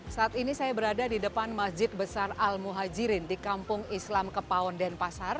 saat ini saya berada di depan masjid besar al muhajirin di kampung islam kepaon denpasar